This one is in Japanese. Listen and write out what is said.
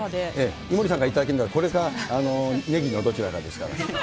井森さんから頂けるのは、これかネギのどちらかですから。